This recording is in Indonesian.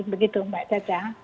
begitu mbak caca